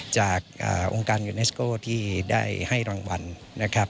จากองค์การยูเนสโก้ที่ได้ให้รางวัลนะครับ